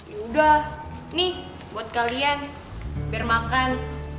yaudah nih buat kalian biar makan